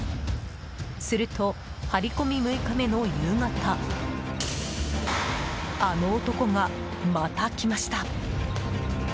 すると、張り込み６日目の夕方あの男がまた来ました。